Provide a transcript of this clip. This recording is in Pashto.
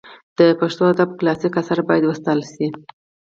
د پښتو ادب کلاسیک آثار باید وساتل سي.